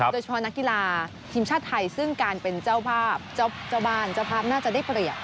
โดยเฉพาะนักกีฬาทีมชาติไทยซึ่งการเป็นเจ้าภาพเจ้าบ้านเจ้าภาพน่าจะได้เปรียบ